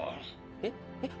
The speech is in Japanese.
えっえっ？